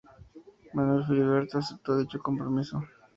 Manuel Filiberto aceptó dicho compromiso.